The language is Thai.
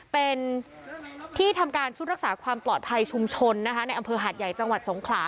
เป็นที่ทำการชุดรักษาความปลอดภัยชุมชนนะคะในอำเภอหาดใหญ่จังหวัดสงขลา